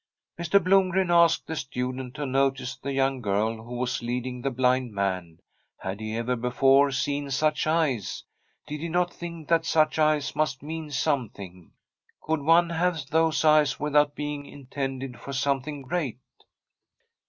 Mr. Blomgren asked the student to notice the young girl who was leading the blind man. Had he ever before seen such eyes ? Did he not think that such eyes must mean something? Could one have those eyes without being intended for something great